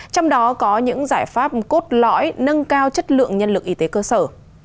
trong đó có những giải pháp cốt lõi nâng cao chất lượng nhân lực y tế cơ sở